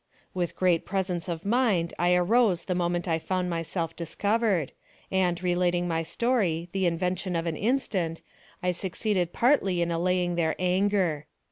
With great presence of mind I arose the moment I found myself discovered, and relating my story, the invention of an instant, I succeeded partially in allay ing their anger.